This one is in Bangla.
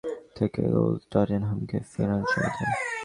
বিরতির মিনিট ছয়েক পরই পেনাল্টি থেকে গোল করে টটেনহামকে ফেরান সমতায়।